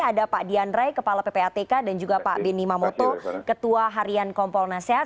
ada pak dianre kepala ppatk dan juga pak beni mamoto ketua harian kompol nasehat